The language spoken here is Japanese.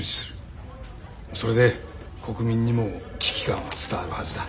それで国民にも危機感は伝わるはずだ。